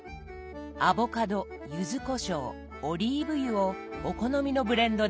アボカドゆずこしょうオリーブ油をお好みのブレンドでどうぞ。